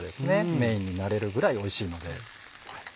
メインになれるぐらいおいしいので。